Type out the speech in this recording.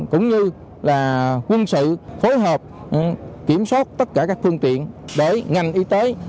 cũng như là quân sự phối hợp kiểm soát tất cả các phương tiện bởi ngành y tế